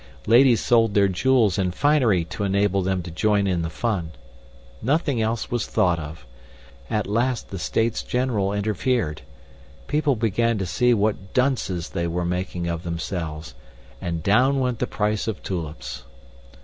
Ladies sold their jewels and finery to enable them to join in the fun. Nothing else was thought of. At last the States General interfered. People began to see what dunces they were making of themselves, and down went the price of tulips.